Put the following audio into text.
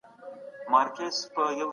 مارکس د هګل تر اغېز لاندې و.